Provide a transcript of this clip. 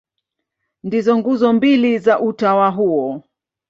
Ndizo nguzo mbili za utawa huo.